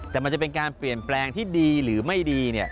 แต่มันจะเป็นการเปลี่ยนแปลงที่ดีหรือไม่ดี